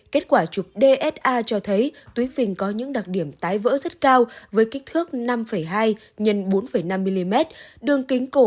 kết quả chụp dsa cho thấy túi phình có những đặc điểm tái vỡ rất cao với kích thước năm hai x bốn năm mm đường kính cổ ba hai mm